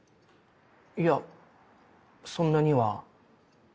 いやそんなには。